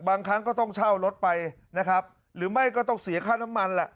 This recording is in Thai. ครั้งก็ต้องเช่ารถไปนะครับหรือไม่ก็ต้องเสียค่าน้ำมันแหละ